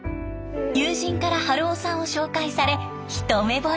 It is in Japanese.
友人から春生さんを紹介され一目ぼれ。